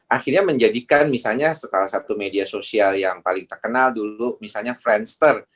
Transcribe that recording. akhirnya menjadikan misalnya salah satu media sosial yang paling terkenal dulu misalnya friendster